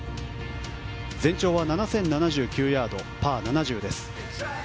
全長７０７９ヤードパー７０です。